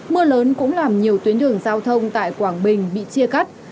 mưa lớn cũng làm nhiều tuyến đường giao thông tại quảng bình bị chia cắt